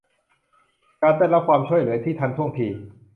การได้รับความช่วยเหลือที่ทันท่วงที